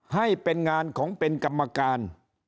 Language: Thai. ให้เป็นงานของเป็นกรรมการ